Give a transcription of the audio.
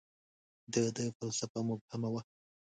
• د ده فلسفه مبهمه وه.